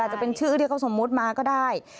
จะเป็นชื่อที่เขาสมมุติมาก็ได้